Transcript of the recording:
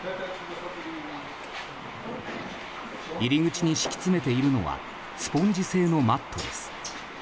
入り口に敷き詰めているのはスポンジ製のマットレス。